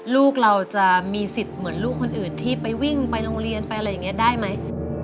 ลูกเราจะมีสิทธิ์เหมือนลูกคนอื่นที่ไปวิ่งไปโรงเรียนไปอะไรอย่างนี้ได้ไหม